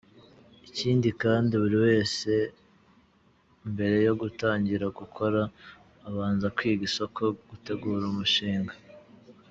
Ikindi kandi buri wese mbere yo gutangira gukora, abanza kwiga isoko, gutegura umushinga.